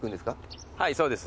はいそうです。